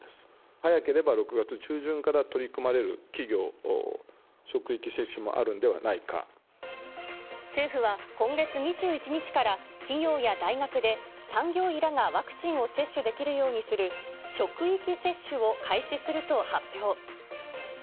早ければ６月中旬から取り組まれる企業、職域接種もあるんではな政府は今月２１日から、企業や大学で産業医らがワクチンを接種できるようにする、職域接種を開始すると発表。